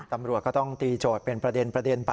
ตำรวจก็ต้องตีโจทย์เป็นประเด็นไป